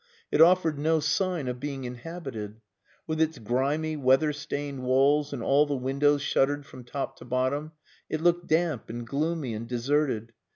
It offered no sign of being inhabited. With its grimy, weather stained walls and all the windows shuttered from top to bottom, it looked damp and gloomy and deserted.